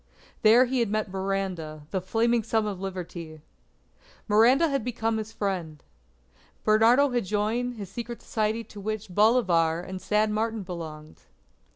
There he had met Miranda the Flaming Son of Liberty. Miranda had become his friend. Bernardo had joined his secret society to which Bolivar and San Martin belonged.